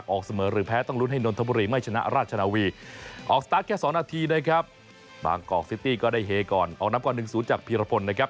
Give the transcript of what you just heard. ออกสตาร์ทแค่๒นาทีนะครับบางกอกซิตี้ก็ได้เฮก่อนออกน้ำก่อนหนึ่งสูตรจากพีรพลนะครับ